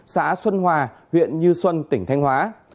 xã xuân hòa huyện như xuân tỉnh thanh hóa